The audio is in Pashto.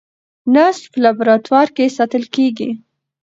نسج په لابراتوار کې ساتل کېږي.